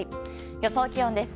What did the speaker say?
予想気温です。